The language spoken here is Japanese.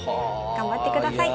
頑張ってください。